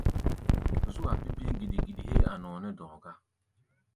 Zú-a pi̧ pi̧í̧ giɗi-giɗi héé a̧ nɔɔ nɛ́ dɔ̧ɔ̧ gá.